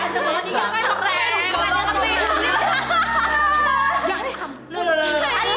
ganteng banget juga kan